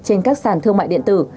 trên các sàn thương mại điện tử